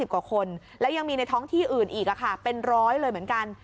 กว่าคนแล้วยังมีในท้องที่อื่นอีกเป็นร้อยเลยเหมือนกัน